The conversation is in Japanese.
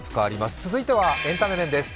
続いてはエンタメ面です。